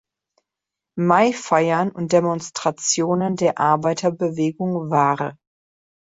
Mai-Feiern und Demonstrationen der Arbeiterbewegung war.